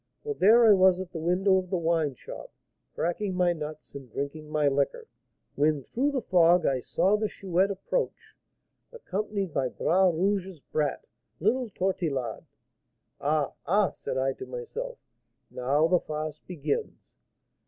Well, there I was at the window of the wine shop, cracking my nuts and drinking my liquor, when, through the fog, I saw the Chouette approach, accompanied by Bras Rouge's brat, little Tortillard. 'Ah, ah!' said I to myself, 'now the farce begins!'